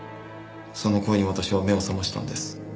その声に私は目を覚ましたんです。